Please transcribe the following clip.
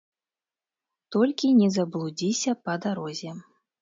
Толькі не заблудзіся па дарозе.